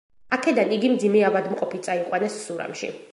აქედან იგი მძიმე ავადმყოფი წაიყვანეს სურამში.